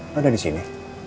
kau ada disini